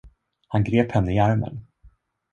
Han grep henne i armen.